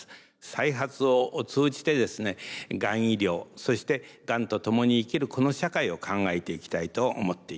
再発を通じてですねがん医療そしてがんとともに生きるこの社会を考えていきたいと思っています。